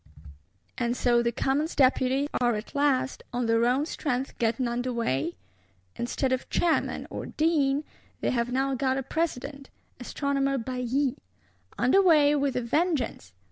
And so the Commons Deputies are at last on their own strength getting under way? Instead of Chairman, or Dean, they have now got a President: Astronomer Bailly. Under way, with a vengeance!